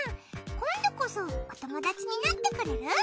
今度こそおともだちになってくれる？